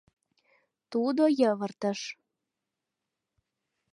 Тудо йывыртыш.